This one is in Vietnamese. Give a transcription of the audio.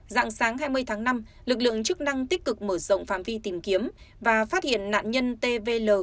dạng sáng hai mươi tháng năm lực lượng chức năng tích cực mở rộng phạm vi tìm kiếm và phát hiện nạn nhân t v l